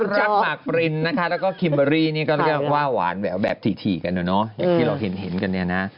คุณรักมาร์คปรินนะคะแล้วก็คิมเบอรี่นี่ก็ว่าหวานแบบถี่กันเนอะอย่างที่เราเห็นกันเนี่ยนะ